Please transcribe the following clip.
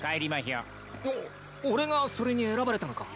お俺がそれに選ばれたのか？